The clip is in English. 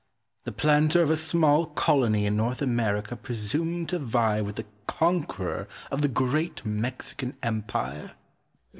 The planter of a small colony in North America presume to vie with the conqueror of the great Mexican Empire?